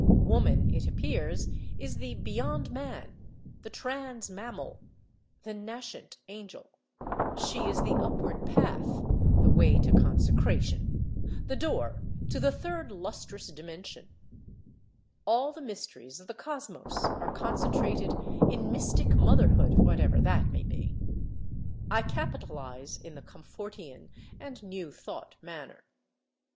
Woman, it appears, is the beyond man, the trans mammal, the nascent angel; she is the Upward Path, the Way to Consecration, the door to the Third Lustrous Dimension; all the mysteries of the cosmos are concentrated in Mystic Motherhood, whatever that may be. I capitalize in the Comfortian (and New Thought) manner.